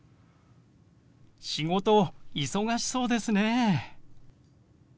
「仕事忙しそうですね」。